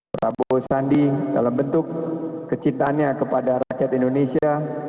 prabowo sandi dalam bentuk kecintaannya kepada rakyat indonesia